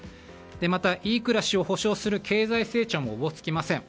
また、いい暮らしを保障する経済成長もおぼつきません。